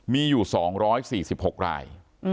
มีอยู่๒๔๖ราย